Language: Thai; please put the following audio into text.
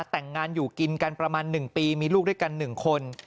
แต่งงานอยู่กินกันประมาณ๑ปีมีลูกด้วยกัน๑คน